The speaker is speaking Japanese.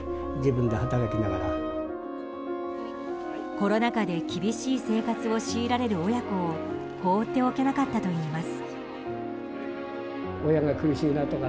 コロナ禍で厳しい生活を強いられる親子を放っておけなかったといいます。